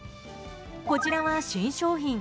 こちらは新商品。